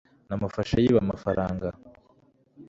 namufashe yiba amafaranga